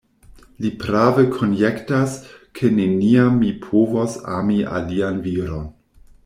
Li prave konjektas, ke neniam mi povos ami alian viron.